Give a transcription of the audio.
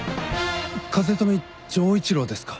風富城一郎ですか？